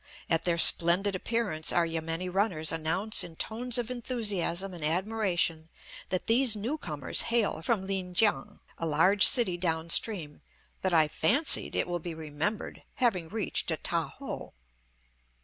At their splendid appearance our yameni runners announce in tones of enthusiasm and admiration that these new comers hail from Lin kiang, a large city down stream, that I fancied, it will be remembered, having reached at Ta ho.